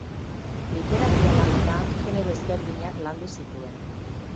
Literatura lanetan genero ezberdinak landu zituen.